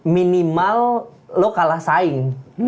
minimal lo kalah saing